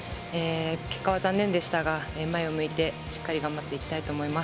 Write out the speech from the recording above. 結果は残念でしたが、前を向いてしっかり頑張っていきたいと思います。